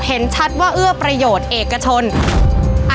เห็นชัดว่าเอื้อประโยชน์เอกชน